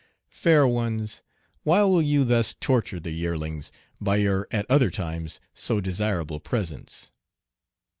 Fair ones, why will you thus torture the "yearlings" by your at other times so desirable presence?